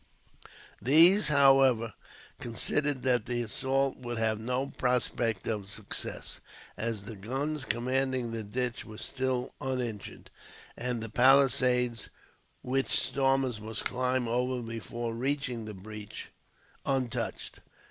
These, however, considered that the assault would have no prospect of success, as the guns commanding the ditch were still uninjured, and the palisades which stormers must climb over before reaching the breach untouched.